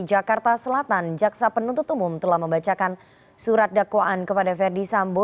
jakarta selatan jaksa penuntut umum telah membacakan surat dakwaan kepada verdi sambo